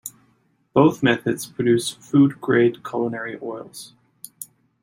Both methods produce food grade culinary oils.